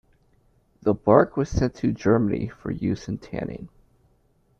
The bark was sent to Germany for use in tanning.